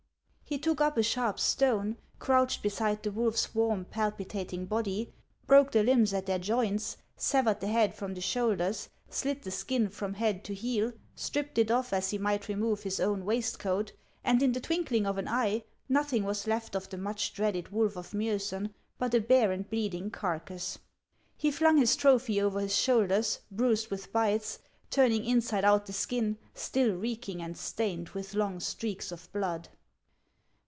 He took up a sharp stone, crouched beside the wolf's warm, palpitating body, broke the limbs at their joints, severed the head from the shoulders, slit the skin from head to heel, stripped it off, as he might remove his own HANS OF ICELAND. 279 waistcoat, and in the twinkling of an eye nothing was left of the much dreaded wolf of Miosen but a bare and bleeding carcass. He flung his trophy over his shoulders, bruised with bites, turning inside out the skin, still reeking and stained with long streaks of blood.